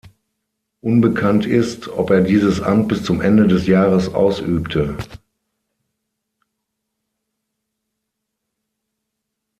Unbekannt ist, ob er dieses Amt bis zum Ende des Jahres ausübte.